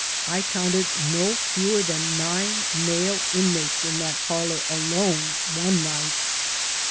I counted no fewer than nine male inmates in that parlor alone one night.